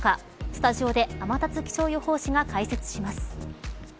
スタジオで天達気象予報士が解説します。